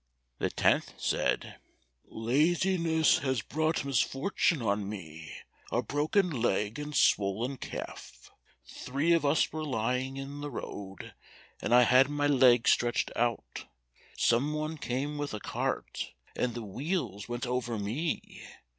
The tenth said, "Laziness has brought misfortune on me, a broken leg and swollen calf. Three of us were lying in the road, and I had my legs stretched out. Some one came with a cart, and the wheels went over me.